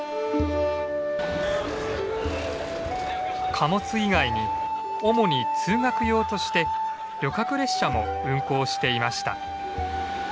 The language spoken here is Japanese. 貨物以外に主に通学用として旅客列車も運行していました。